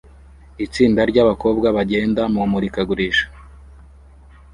itsinda ryabakobwa bagenda mumurikagurisha